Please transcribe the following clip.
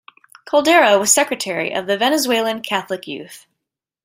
Caldera was secretary of the "Venezuelan Catholic Youth".